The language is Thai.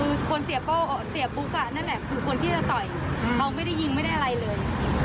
คือคนเสียโป้เสียปุ๊กอ่ะนั่นแหละคือคนที่จะต่อยเขาไม่ได้ยิงไม่ได้อะไรเลย